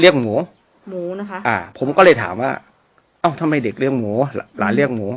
หมูหมูนะคะอ่าผมก็เลยถามว่าเอ้าทำไมเด็กเรียกหมูหลานเรียกหมู